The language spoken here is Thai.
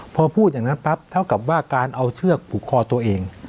พอพูดอย่างนั้นปั๊บเท่ากับว่าการเอาเชือกผูกคอตัวเอง